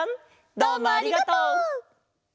どうもありがとう。